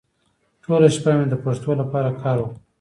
ټوله شپه مې د پښتو لپاره کار وکړ.